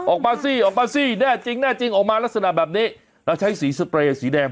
ออกมาสิออกมาสิแน่จริงแน่จริงออกมาลักษณะแบบนี้แล้วใช้สีสเปรย์สีแดง